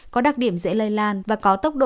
có đặc điểm dễ lây lan và có tốc độ